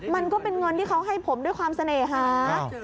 มันก็เป็นเงินที่เขาให้ผมด้วยความเสน่หา